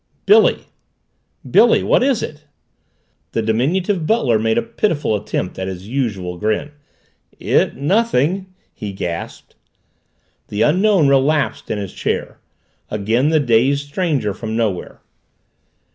"Billy!" "Billy what is it?" The diminutive butler made a pitiful attempt at his usual grin. "It nothing," he gasped. The Unknown relapsed in his chair again the dazed stranger from nowhere.